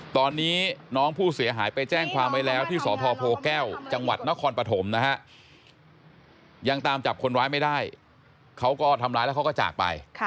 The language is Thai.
ตอนนี้น้องผู้เสียหายไปแจ้งความไว้แล้วที่สพโพแก้วจังหวัดนครปฐมนะฮะยังตามจับคนร้ายไม่ได้เขาก็ทำร้ายแล้วเขาก็จากไป